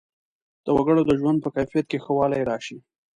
د وګړو د ژوند په کیفیت کې ښه والی راشي.